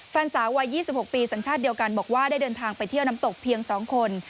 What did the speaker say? แฟนสาววัย๒๖ปีสัญชาติเดียวกันบอกว่าได้เดินทางไปเที่ยวน้ำตกเพียง๒คน